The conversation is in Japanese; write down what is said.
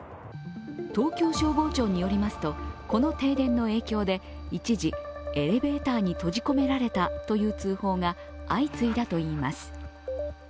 東京消防庁によりますとこの停電の影響で一時、エレベーターに閉じ込められたという通報が相次いだといいます。